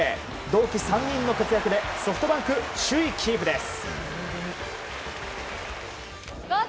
同期３人の活躍でソフトバンク、首位キープです。